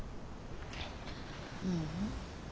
ううん。